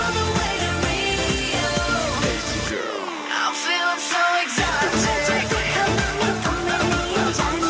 nasionalis rasional dan sistematis